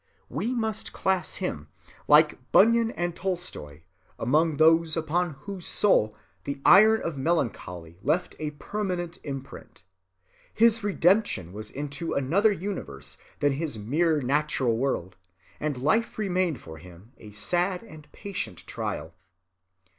We must class him, like Bunyan and Tolstoy, amongst those upon whose soul the iron of melancholy left a permanent imprint. His redemption was into another universe than this mere natural world, and life remained for him a sad and patient trial.